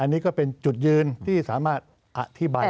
อันนี้ก็เป็นจุดยืนที่สามารถอธิบาย